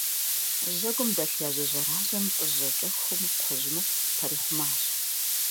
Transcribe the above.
Жьэгум дэлъ яжьэ жьэражьэм лӏыжь жьакӏэхум кхъужь мыхъу пэрихъумащ.